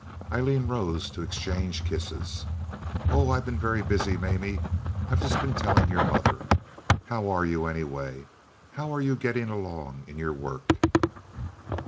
Aileen rose to exchange kisses. "Oh, I've been very busy, Mamie. I've just been telling your mother. How are you, anyway? How are you getting along in your work?"